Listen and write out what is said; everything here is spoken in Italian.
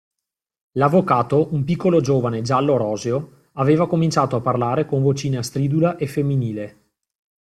L'avvocato, un piccolo giovane giallo-roseo, aveva cominciato a parlare con vocina stridula e femminile.